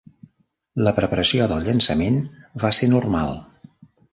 La preparació del llançament va ser normal.